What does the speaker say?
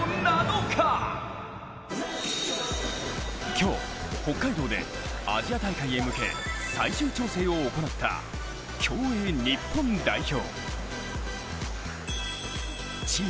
今日、北海道でアジア大会へ向け最終調整を行った競泳日本代表。